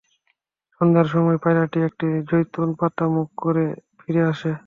সন্ধ্যার সময় পায়রাটি একটি যয়তুন পাতা মুখে করে ফিরে আসে।